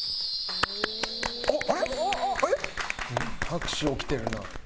拍手起きてるな。